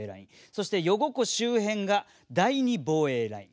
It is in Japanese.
そして余呉湖周辺が第２防衛ライン。